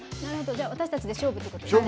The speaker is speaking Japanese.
じゃあ私たちで勝負ってことですね。